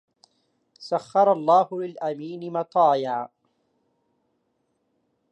سخر الله للأمين مطايا